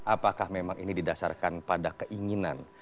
apakah memang ini didasarkan pada keinginan